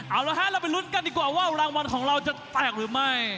เอาละฮะเราไปลุ้นกันดีกว่าว่ารางวัลของเราจะแตกหรือไม่